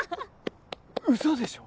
嘘でしょ！？